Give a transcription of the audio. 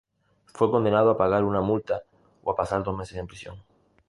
Fue condenado a pagar una multa o a pasar dos meses en prisión.